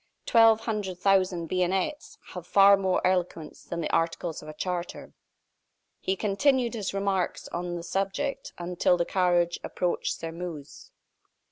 Twelve hundred thousand bayonets have far more eloquence than the articles of a charter." He continued his remarks on this subject until the carriage approached Sairmeuse.